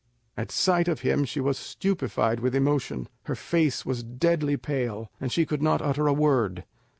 At sight of him she was stupefied with emotion, her face was deadly pale, and she could not utter a word.